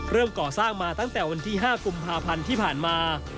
ก่อสร้างมาตั้งแต่วันที่๕กุมภาพันธ์ที่ผ่านมา